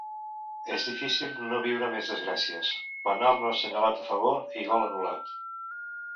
És difícil no viure més desgràcies, penal no assenyalat a favor i gol anul·lat.